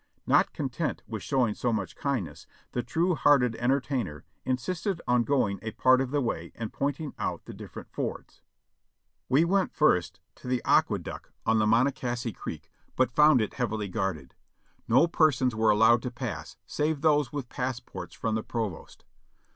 Not content with showing so much kindness, the true hearted entertainer insisted on going a part of the way and pointing out the different fords. We went first to the Aqueduct on the Mo CROSSING THE POTOMAC ON A RAET 4/1 nocacy Creek, but found it heavily guarded. No persons were allowed to pass save those with passports from the provost.